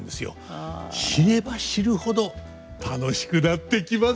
知れば知るほど楽しくなってきますよ！